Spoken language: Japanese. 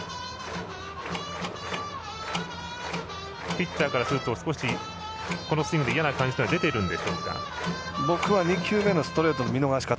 ピッチャーからすると少しこのスイングで嫌な感じというのは出てるんでしょうか。